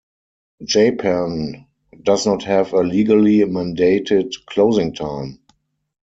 Japan does not have a legally mandated closing time.